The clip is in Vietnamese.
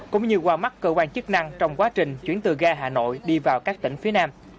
cũng như qua mắt cơ quan chức năng trong quá trình chuyển từ ga hà nội đi vào các tỉnh phía nam